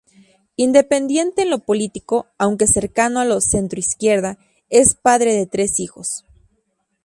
Independiente en lo político, aunque cercano a la centroizquierda, es padre de tres hijos.